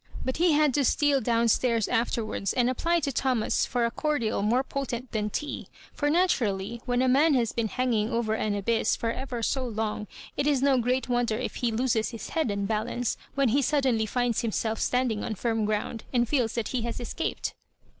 But he had to steal down stairs afterwards and apply to Thomas for a cordial more potent than tea; for naturally, when a man baa been hanging over an abjrss for ever so long, it is no great wonder if he loses his head and balance when he suddenly finds himself standing on firm ground, and feels that he has escaped.